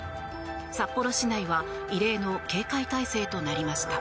札幌市内は異例の警戒態勢となりました。